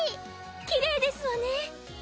きれいですわね！